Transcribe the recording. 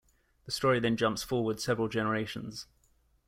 The story then jumps forward several generations.